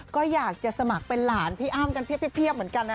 ก็อยากจะสมัครเป็นหลานพี่อ้ำกันเพียบเหมือนกันนะ